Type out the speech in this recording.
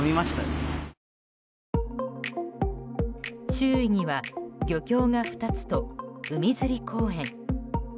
周囲には漁協が２つと海釣り公園